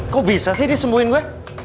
kok bisa sih disembuhin gue